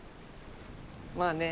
まあね。